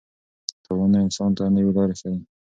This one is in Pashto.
تاوانونه انسان ته نوې لارې ښيي.